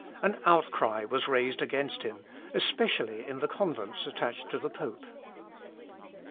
An outcry was raised against him, especially in the convents attached to the pope.